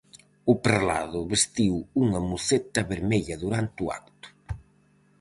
O prelado vestiu unha muceta vermella durante o acto.